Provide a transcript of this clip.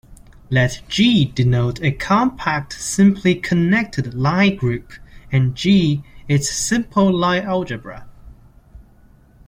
Let "G" denote a compact simply-connected Lie group and "g" its simple Lie algebra.